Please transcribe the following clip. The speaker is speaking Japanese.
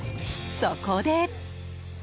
そこで。